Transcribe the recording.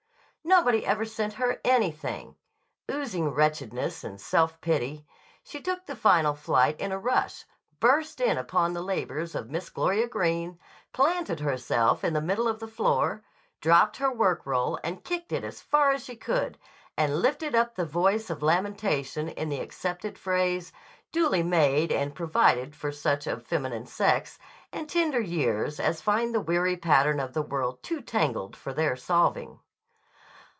Nobody ever sent her anything! Oozing wretchedness and self pity, she took the final flight in a rush, burst in upon the labors of Miss Gloria Greene, planted herself in the middle of the floor, dropped her work roll and kicked it as far as she could, and lifted up the voice of lamentation in the accepted phrase, duly made and provided for such of feminine sex and tender years as find the weary pattern of the world too tangled for their solving.